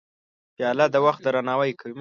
پیاله د وخت درناوی کوي.